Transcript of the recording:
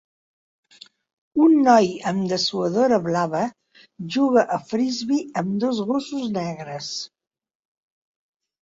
Un noi amb dessuadora blava juga a Frisbee amb dos gossos negres.